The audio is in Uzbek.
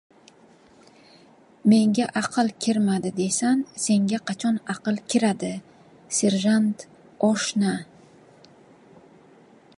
— Menga aql kirmadi deysan, senga qachon aql kiradi, serjant oshna?